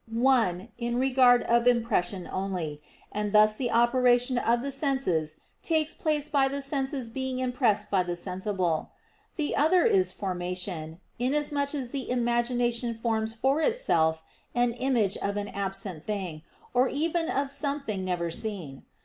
One, in regard of impression only, and thus the operation of the senses takes place by the senses being impressed by the sensible. The other is formation, inasmuch as the imagination forms for itself an image of an absent thing, or even of something never seen.